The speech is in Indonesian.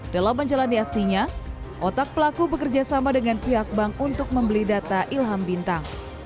dalam menjalani aksinya otak pelaku bekerja sama dengan pihak bank untuk membeli data ilham bintang